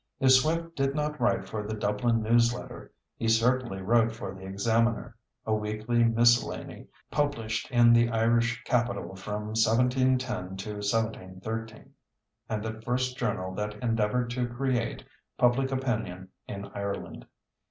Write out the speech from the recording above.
If Swift did not write for the Dublin News Letter, he certainly wrote for the Examiner, a weekly miscellany published in the Irish capital from 1710 to 1713, and the first journal that endeavored to create public opinion in Ireland.